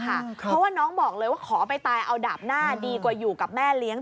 เพราะว่าน้องบอกเลยว่าขอไปตายเอาดาบหน้าดีกว่าอยู่กับแม่เลี้ยง